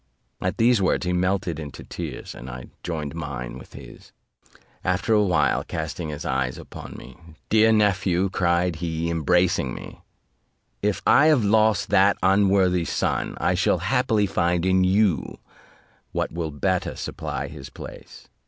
At these words, he melted into tears, and I joined mine with his. After a while, casting his eyes upon me, "Dear nephew," cried he, embracing me, "if I have lost that unworthy son, I shall happily find in you what will better supply his place."